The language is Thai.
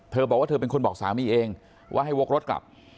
บอกว่าเธอเป็นคนบอกสามีเองว่าให้วกรถกลับ